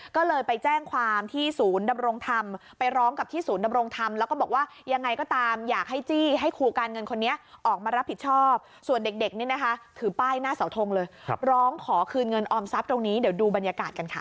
ก็เลยไปแจ้งความที่ศูนย์ดำรงธรรมไปร้องกับที่ศูนย์ดำรงธรรมแล้วก็บอกว่ายังไงก็ตามอยากให้จี้ให้ครูการเงินคนนี้ออกมารับผิดชอบส่วนเด็กนี่นะคะถือป้ายหน้าเสาทงเลยร้องขอคืนเงินออมทรัพย์ตรงนี้เดี๋ยวดูบรรยากาศกันค่ะ